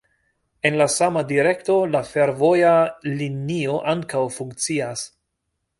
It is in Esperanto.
En la sama direkto, la fervoja linio ankaŭ funkcias.